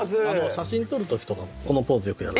写真撮る時とかこのポーズよくやる。